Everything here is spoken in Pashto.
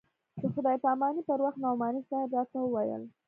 د خداى پاماني پر وخت نعماني صاحب راته وويل.